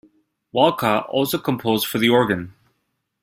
Walcha also composed for the organ.